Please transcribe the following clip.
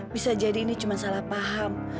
bisa jadi ini cuma salah paham